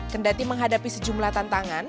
kendati menghadapi sejumlah tantangan